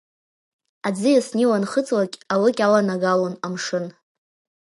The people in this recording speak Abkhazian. Аӡиас Нил анхыҵлак, алыкь аланагалон амшын.